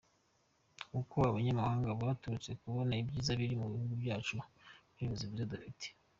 koko abanyamahanga baturushe kubona ibyiza biri mugihugu cyacu nubuyobozi bwiza dufite?